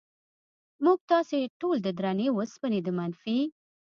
موږ تاسې ټول د درنې وسپنې د منفي